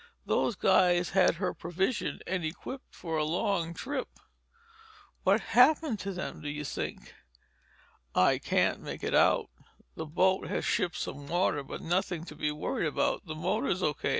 Those guys had her provisioned and equipped for a long trip." "What's happened to them, do you think?" "I can't make it out. The boat has shipped some water, but nothing to be worried about. The motor's O.